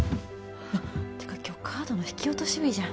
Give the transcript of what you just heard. てか今日カードの引き落とし日じゃん。